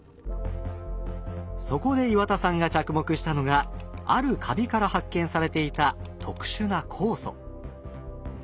そこで岩田さんが着目したのがあるカビから発見されていた特殊な酵素。